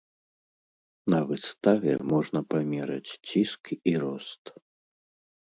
На выставе можна памераць ціск і рост.